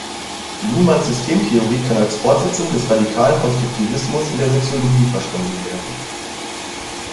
Luhmanns Systemtheorie kann als Fortsetzung des radikalen Konstruktivismus in der Soziologie verstanden werden.